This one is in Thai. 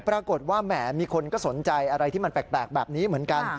ปรากฏว่าแหมมีคนก็สนใจอะไรที่มันแปลกแบบนี้เหมือนกัน